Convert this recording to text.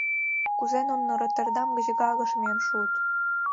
Кузе нуно Роттердам гыч Гаагыш миен шуыт?..”